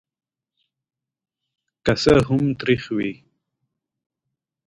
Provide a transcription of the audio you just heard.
که څه هم تریخ وي.